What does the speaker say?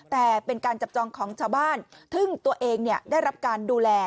แต่เป็นการจับจองของชาวบ้านซึ่งตัวเองได้รับการดูแล